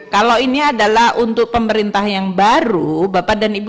kalau ini adalah untuk pemerintah yang baru bapak dan ibu